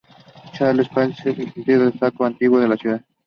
Charles Chartier; y está situado en el casco antiguo de la ciudad.